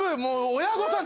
親御さん